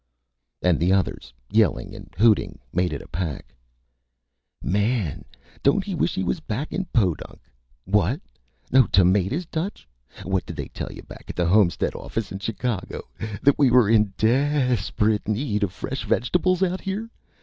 And the others, yelling and hooting, made it a pack: "Man don't he wish he was back in Podunk!... What! no tomatas, Dutch?... What did they tell yuh back at the Homestead office in Chicago? that we were in de e esperate need of fresh vegetables out here?